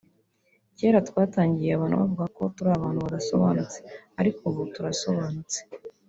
”Kera twatangiye abantu bavuga ko turi abantu badasobanutse ariko ubu turasobanutse